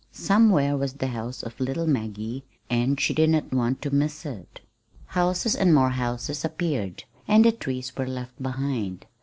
Somewhere was the home of little Maggie, and she did not want to miss it. Houses and more houses appeared, and the trees were left behind.